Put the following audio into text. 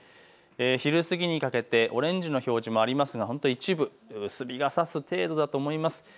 昼過ぎにかけてオレンジの表示もありますが一部、薄日がさす程度と思います。